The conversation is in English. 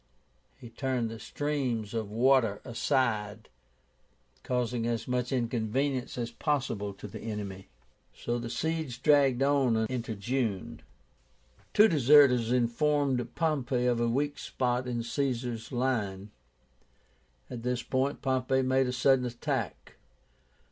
He turned the streams of water aside, causing as much inconvenience as possible to the enemy. So the siege dragged on into June. Two deserters informed Pompey of a weak spot in Caesar's line. At this point Pompey made a sudden attack.